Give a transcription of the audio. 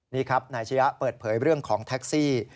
นี่ครับนายชะยะเปิดเผยเรื่องของแท็กซี่